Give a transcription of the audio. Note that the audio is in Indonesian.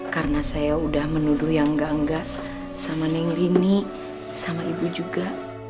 karena saya udah menuduh yang gangga sama neng rini sama ibu juga